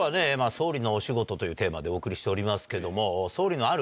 総理のお仕事というテーマでお送りしておりますけども。